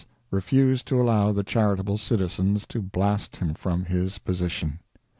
refused to allow the charitable citizens to blast him from his position.